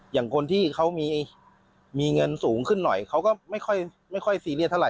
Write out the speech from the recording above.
อย่างคนที่เขามีเงินสูงขึ้นหน่อยเขาก็ไม่ค่อยซีเรียสเท่าไ